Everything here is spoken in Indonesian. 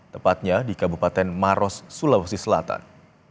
tepatnya di kabupaten maros sulawesi selatan